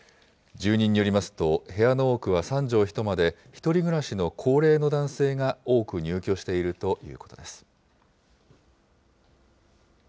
住人によりますと、部屋の多くは３畳一間で、１人暮らしの高齢の男性が多く入居しているということです。